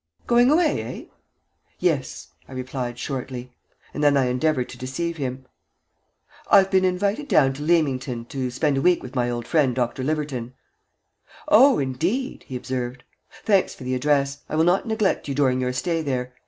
"Going away, eh?" "Yes," I replied, shortly, and then I endeavored to deceive him. "I've been invited down to Leamington to spend a week with my old friend Dr. Liverton." "Oh, indeed!" he observed. "Thanks for the address. I will not neglect you during your stay there.